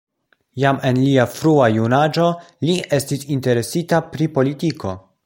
Jam en lia frua junaĝo li estis interesita pri politiko.